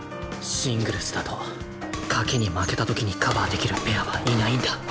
シングルスだと賭けに負けた時にカバーできるペアはいないんだ。